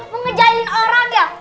mau ngejalin orang ya